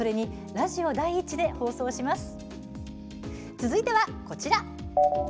続いてはこちら。